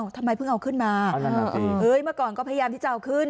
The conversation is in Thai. ทำไมเพิ่งเอาขึ้นมาเมื่อก่อนก็พยายามที่จะเอาขึ้น